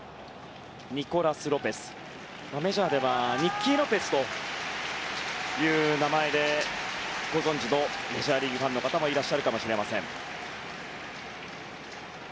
ニコラス・ロペス、メジャーではニッキー・ロペスという名前でご存じのメジャーリーグファンの方もいらっしゃるかもしれません。